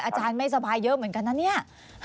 อาจารย์ไม่สบายเยอะเหมือนกันนะเนี่ย